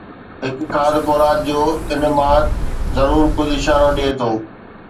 هڪ کاڌ خوراڪ جو انماد ضرور ڪجهه اشارو ڏئي ٿو